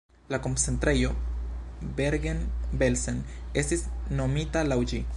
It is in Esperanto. La koncentrejo Bergen-Belsen estis nomita laŭ ĝi.